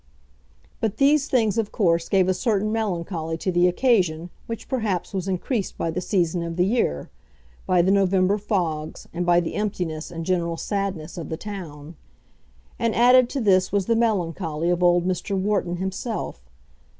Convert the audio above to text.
But these things of course gave a certain melancholy to the occasion which perhaps was increased by the season of the year, by the November fogs, and by the emptiness and general sadness of the town. And added to this was the melancholy of old Mr. Wharton himself.